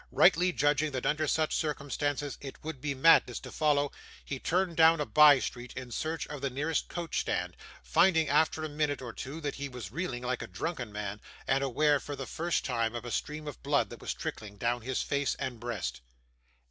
Rightly judging that under such circumstances it would be madness to follow, he turned down a bye street in search of the nearest coach stand, finding after a minute or two that he was reeling like a drunken man, and aware for the first time of a stream of blood that was trickling down his face and breast.